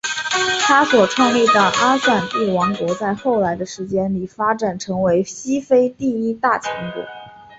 他所创立的阿散蒂王国在后来的时间里发展成为西非的一大强国。